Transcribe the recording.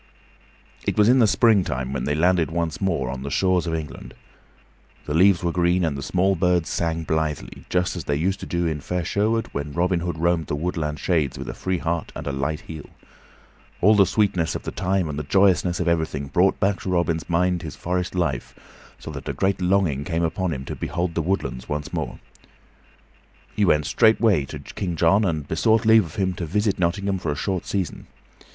It was in the springtime when they landed once more on the shores of England. The leaves were green and the small birds sang blithely, just as they used to do in fair Sherwood when Robin Hood roamed the woodland shades with a free heart and a light heel. All the sweetness of the time and the joyousness of everything brought back to Robin's mind his forest life, so that a great longing came upon him to behold the woodlands once more. So he went straightway to King John and besought leave of him to visit Nottingham for a short season.